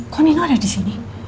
kok nino ada disini